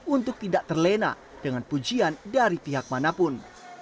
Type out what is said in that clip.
untuk tidak terlena dengan pujian dari pihak manapun